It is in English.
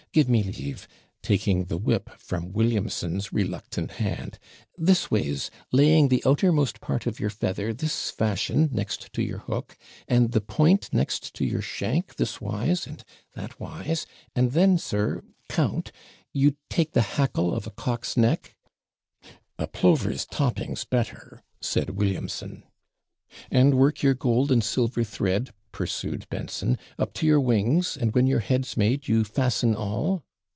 Give me leave;' taking the whip from Williamson's reluctant hand, 'this ways, laying the outermost part of your feather this fashion next to your hook, and the point next to your shank, this wise, and that wise; and then, sir, count, you take the hackle of a cock's neck ' 'A plover's topping's better,' said Williamson. 'And work your gold and silver thread,' pursued Benson, 'up to your wings, and when your head's made, you fasten all.'